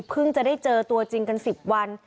เพิ่งจะได้เจอตัวจริงกันสิบวัน